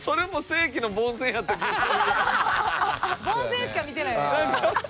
凡戦しか見てない。